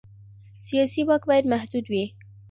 سیاسي واک باید محدود وي